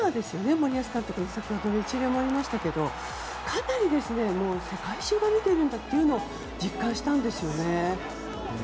森保監督の先ほどの一礼もありましたけどかなり世界中が見ているんだというのを実感したんですね。